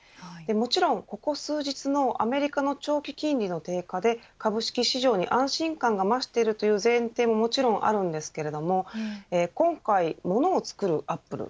もちろん、ここ数日のアメリカの長期金利の低下で株式市場に安心感が増しているという前提ももちろんあるんですけれども今回、ものを作るアップル